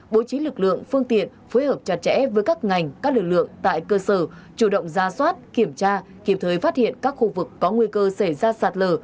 bố trí lực lượng phương tiện phối hợp chặt chẽ với các ngành các lực lượng tại cơ sở chủ động ra soát kiểm tra kịp thời phát hiện các khu vực có nguy cơ xảy ra sạt lở